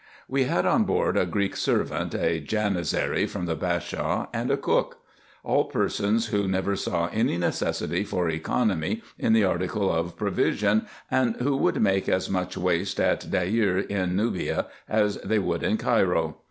We had on board a Greek servant, a Janizary from the Bashaw, and a cook ; all persons who never saw any necessity for economy in the article of provision, and who would make as much waste at Deir in Nubia as they would in Cairo.